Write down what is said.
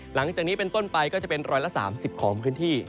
หลังจากนี้เป็นต้นไปก็จะเป็น๑๓๐ของพื้นที่